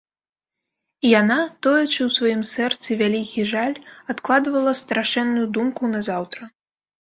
І яна, тоячы ў сваім сэрцы вялікі жаль, адкладвала страшэнную думку на заўтра.